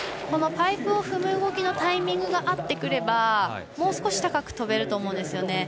パイプを踏む動きのタイミングが合ってくればもう少し高くとべると思うんです。